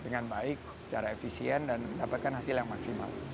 dengan baik secara efisien dan mendapatkan hasil yang maksimal